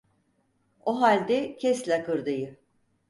O halde kes lakırdıyı.